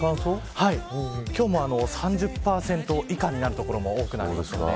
今日も３０％以下になる所も多くなります。